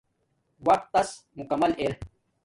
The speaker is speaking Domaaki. وقت تس مکمل ار